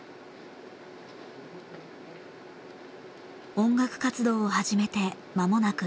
音楽活動を始めてまもなく１０年。